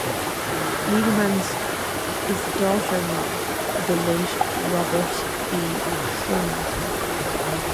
Liebman is the daughter-in-law of the late Robert B. Sherman.